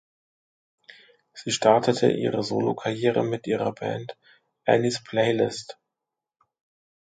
Sie startete ihre Solokarriere mit ihrer Band "Annie’s Playlist".